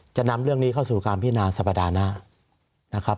จะนำเรื่องนี้เข้าสู่การพินาสัปดาห์หน้านะครับ